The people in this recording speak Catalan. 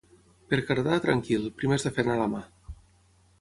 Per cardar, tranquil, primer has de fer anar la mà.